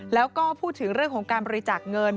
แล้วก็พูดถึงเรื่องของการบริจาคเงิน